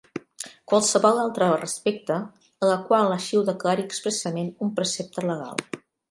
Qualsevol altra respecte a la qual així ho declari expressament un precepte legal.